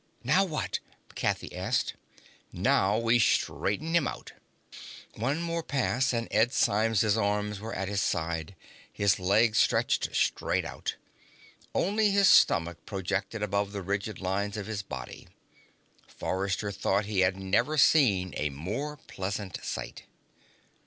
"Now what?" Kathy asked. "Now we straighten him out." One more pass, and Ed Symes's arms were at his sides, his legs stretched straight out. Only his stomach projected above the rigid lines of his body. Forrester thought he had never seen a more pleasing sight.